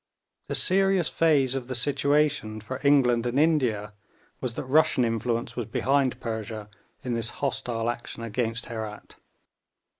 The serious phase of the situation for England and India was that Russian influence was behind Persia in this hostile action against Herat.